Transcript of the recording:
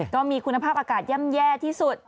ก็มีคุณภาพอากาศย่ำแย่ที่สุด